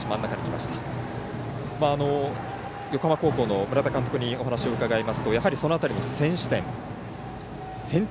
横浜高校の村田監督にお話を伺いますとやはり、その辺り、先取点先手